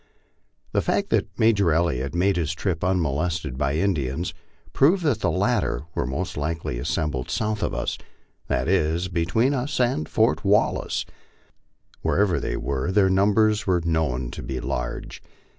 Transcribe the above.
The fact that Major Elliot had made his trip un molested by Indians, proved that the latter were most likely assembled south of us, that is, between us and Fort Wallace. Wherever they were, their num bers were known to be large.